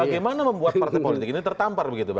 bagaimana membuat partai politik ini tertampar begitu